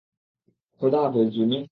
খোদা হাফেজ, জুনি।